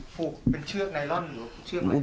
ผูกเป็นเชือกไนลอนหรือเชือก